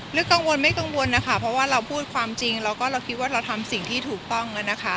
กังวลไม่กังวลนะคะเพราะว่าเราพูดความจริงเราก็เราคิดว่าเราทำสิ่งที่ถูกต้องแล้วนะคะ